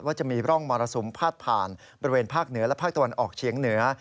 จะมีร่องมรสุมพาดผ่านบริเวณภาคเหนือและภาคตะวันออกเฉียงเหนือ